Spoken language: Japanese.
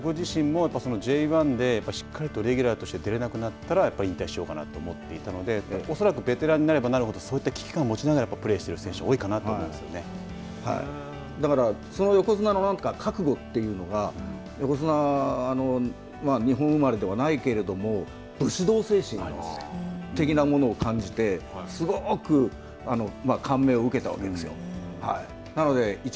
僕自身もＪ１でしっかりとレギュラーとして出られなくなったら引退しようかなと思っていたので恐らくベテランになればなるほどそういった危機感を持ちながらプレーしている選手が多いかなとだから、その横綱の覚悟というのが横綱は日本生まれではないけれども武士道精神的なものを感じてすごく感銘を受けたわけですよ。